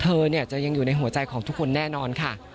เธอจะยังอยู่ในหัวใจของทุกคนแน่นอนค่ะ